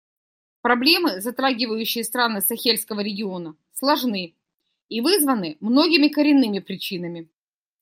Проблемы, затрагивающие страны Сахельского региона, сложны и вызваны многими коренными причинами.